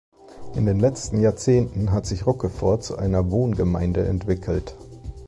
In den letzten Jahrzehnten hat sich Rochefort zu einer Wohngemeinde entwickelt.